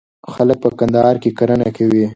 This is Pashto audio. خلک په کندهار کي کرنه کوي.